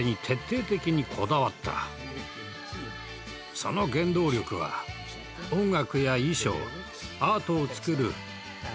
その原動力は音楽や衣装アートを作る喜びだったんだ。